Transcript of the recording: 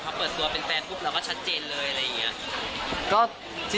พอเปิดตัวเป็นแฟนปุ๊บเราก็ชัดเจนเลยอะไรอย่างนี้